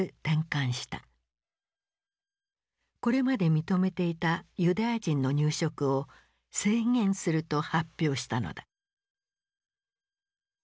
これまで認めていたユダヤ人の入植を制限すると発表したのだ。